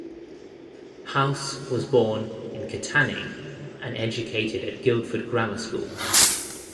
House was born in Katanning and educated at Guildford Grammar School.